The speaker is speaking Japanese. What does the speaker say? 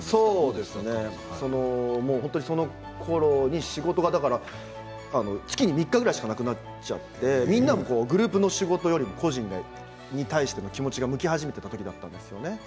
そうですね、そのころに本当に仕事が月に３日ぐらいしかなくなっちゃってグループの仕事よりも個人に対しての気持ちが向き始めていたころなんです。